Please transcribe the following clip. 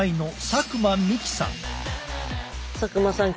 佐久間さん